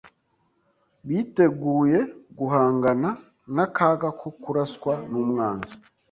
Biteguye guhangana n'akaga ko kuraswa n'umwanzi.